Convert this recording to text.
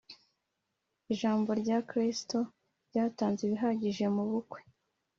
Ijambo rya Kristo ryatanze ibihagije mu bukwe